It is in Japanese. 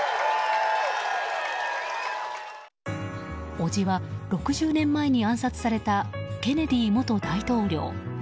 おじは６０年前に暗殺されたケネディ元大統領。